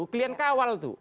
kalian kawal tuh